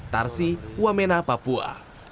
tarsi wamena papua